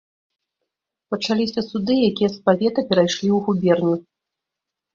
Пачаліся суды, якія з павета перайшлі ў губерню.